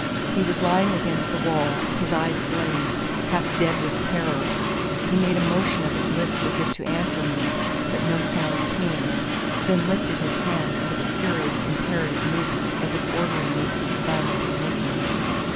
He was lying against the wall, his eyes glazed, half dead with terror. He made a motion of his lips as if to answer me, but no sounds came; then lifted his hand with a curious imperative movement as if ordering me to be silent and listen.